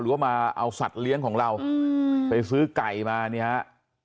หรือว่ามาเอาสัตว์เลี้ยงของเราอืมไปซื้อไก่มานี่ฮะอ่า